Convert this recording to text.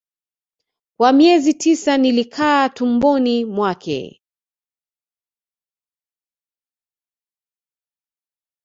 Kwa miezi tisa nilikaa tumboni mwake